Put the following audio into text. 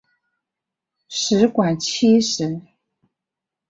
食管憩室。